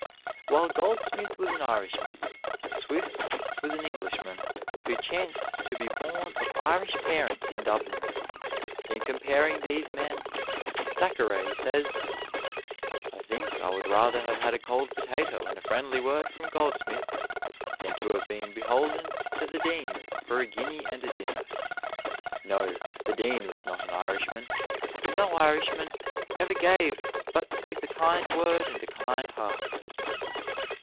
While Goldsmith was an Irishman, Swift was an Englishman who chanced to be born of Irish parents in Dublin. In comparing these men Thackeray says: "I think I would rather have had a cold potato and a friendly word from Goldsmith than to have been beholden to the Dean for a guinea and a dinner. No; the Dean was not an Irishman, for no Irishman ever gave but with a kind word and a kind heart."